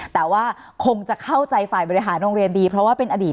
แต่ว่าคงจะเข้าใจฝ่ายบริหารโรงเรียนดีเพราะว่าเป็นอดีต